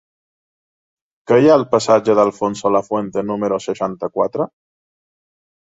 Què hi ha al passatge d'Alfonso Lafuente número seixanta-quatre?